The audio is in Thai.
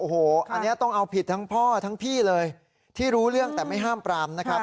โอ้โหอันนี้ต้องเอาผิดทั้งพ่อทั้งพี่เลยที่รู้เรื่องแต่ไม่ห้ามปรามนะครับ